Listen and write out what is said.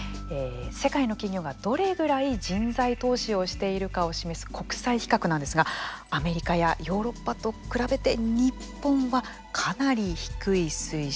世界の企業が、どれぐらい人材投資をしているかを示す国際比較なんですがアメリカやヨーロッパと比べて日本は、かなり低い水準。